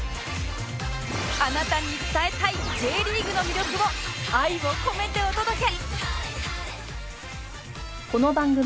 あなたに伝えたい Ｊ リーグの魅力を愛を込めてお届け！